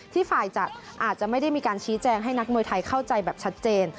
ฝ่ายจัดอาจจะไม่ได้มีการชี้แจงให้นักมวยไทยเข้าใจแบบชัดเจน